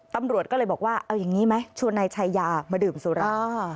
ตำรวจก็เลยบอกว่าเอาอย่างนี้ไหมชวนนายชายามาดื่มสุรา